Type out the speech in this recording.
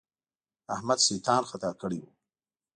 احمد شيطان خطا کړی وو.